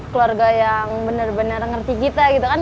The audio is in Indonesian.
keluarga yang bener bener ngerti kita gitu kan